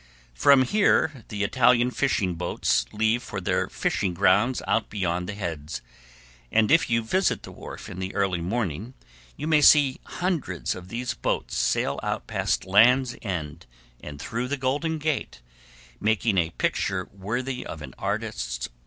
From here the Italian fishing boats leave for their fishing grounds out beyond the heads, and if you visit the wharf in the early morning you may see hundreds of these boats sail out past Land's End, and through the Golden Gate, making a picture worthy of an artist's brush.